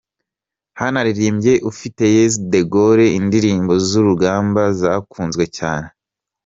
Hanaririmbye Ufiteyezu De Gaulle indirimbo z’urugamba zakunzwe cyane.